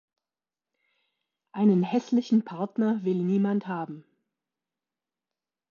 Einen hässlichen Partner will niemand haben.